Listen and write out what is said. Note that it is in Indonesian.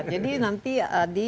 jadi nanti adi